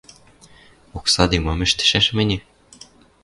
Оксаде мам ӹштӹшӓш мӹньӹ?